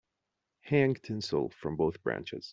Hang tinsel from both branches.